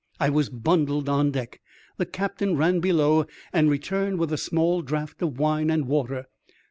I was bundled on deck, the captain ran below, and returned with a small draught of wine and water.